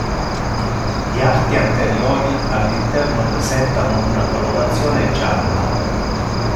Gli arti anteriori all'interno presentano una colorazione gialla.